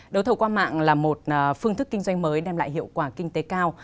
đấu thầu qua mạng là một phương thức kinh doanh mới đem lại hiệu quả kinh tế cao